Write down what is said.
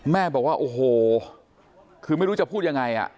แม่บอกว่าโอ้โหคือไม่รู้จะพูดยังไง